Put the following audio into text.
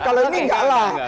kalau ini enggak lah